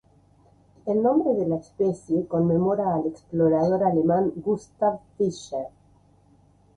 El nombre de la especie conmemora al explorador alemán Gustav Fischer.